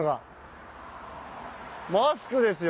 マスクですよ